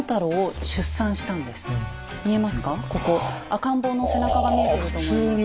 赤ん坊の背中が見えてると思います。